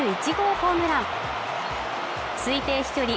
ホームラン推定飛距離